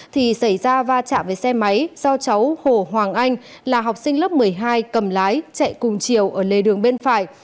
thì xảy ra va chạm với xe máy do cháu hồ hoàng anh là học sinh lớp một mươi hai cầm lái chạy cùng chiều ở lề đường bên phải